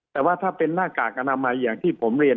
แต่ว่าถ้าเป็นหน้ากากอนามัยอย่างที่ผมเรียน